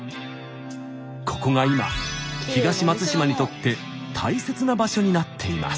ここが今東松島にとって大切な場所になっています。